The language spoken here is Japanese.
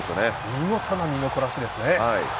見事な身のこなしですね。